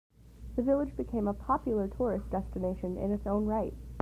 The village became a popular tourist destination in its own right.